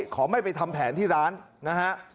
ขอไม่ไปทำแผนที่ร้านนะฮะ